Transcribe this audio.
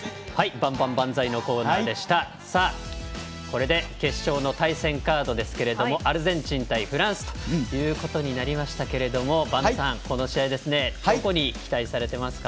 これで決勝の対戦カードはアルゼンチン対フランスとなりましたけども播戸さん、この試合どこに期待されてますか？